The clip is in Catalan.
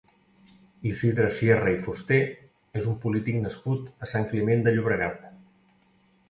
Isidre Sierra i Fusté és un polític nascut a Sant Climent de Llobregat.